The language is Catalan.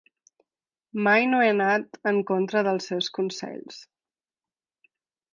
Mai no he anat en contra del seus consells.